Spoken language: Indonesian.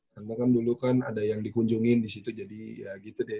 karena kan dulu kan ada yang dikunjungin di situ jadi ya gitu deh